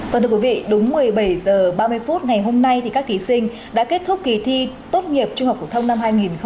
vâng thưa quý vị đúng một mươi bảy h ba mươi phút ngày hôm nay thì các thí sinh đã kết thúc kỳ thi tốt nghiệp trung học phổ thông năm hai nghìn hai mươi